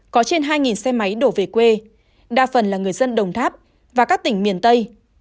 có trên hai xe máy đổ về quê đa phần là người dân đồng tháp và các tỉnh miền tây